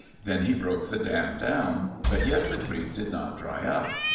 Then he broke the dam down, but yet the creek did not dry up.